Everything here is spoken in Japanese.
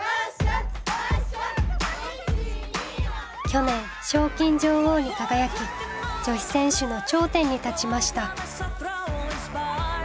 去年賞金女王に輝き女子選手の頂点に立ちました。